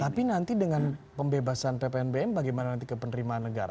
tapi nanti dengan pembebasan ppnbm bagaimana nanti ke penerimaan negara